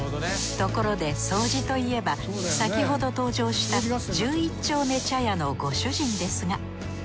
ところで掃除といえば先ほど登場した十一丁目茶屋のご主人ですが。